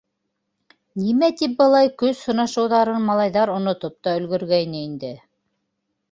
Нимә тип былай көс һынашыуҙарын малайҙар онотоп та өлгөргәйне инде.